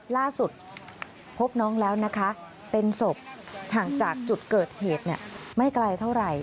ล่าสุดพบน้องแล้วนะคะเป็นศพห่างจากจุดเกิดเหตุไม่ไกลเท่าไหร่